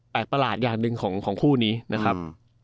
ประหลาดอย่างหนึ่งของคู่นี้นะครับ